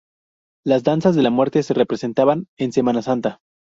Las danzas de la muerte se representaban en semana santa.